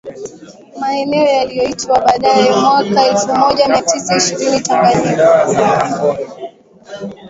Maeneo yaliyoitwa baadaye mwaka elfu moja mia tisa ishirini Tanganyika